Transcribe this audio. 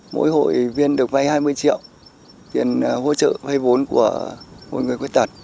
mỗi hội viên được vây hai mươi triệu tiền hỗ trợ vây vốn của hội người khuyết tật